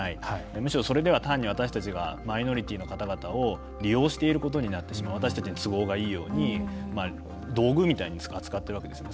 むしろ、それでは単に、私たちがマイノリティーの方々を利用していることになってしまう。私たちに都合がいいように道具みたいに扱っているわけですよね。